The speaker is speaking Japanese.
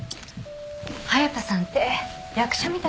隼田さんって役者みたいなんですよ。